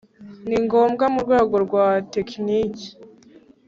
ni ngombwa mu rwego rwa tekiniki